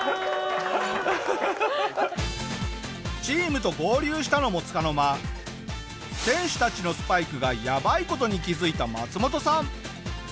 チームと合流したのもつかの間選手たちのスパイクがやばい事に気づいたマツモトさん。